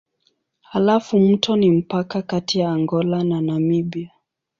Halafu mto ni mpaka kati ya Angola na Namibia.